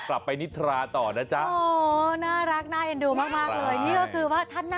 จะได้ศักดิ์สิทธิ์